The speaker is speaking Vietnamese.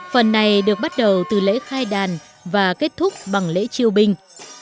phần này được bắt đầu từ lễ khai đàn và kết thúc bằng lễ triêu binh